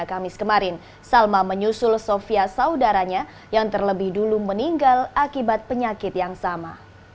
kamis kemarin salma menyusul sofia saudaranya yang terlebih dulu meninggal akibat penyakit yang sama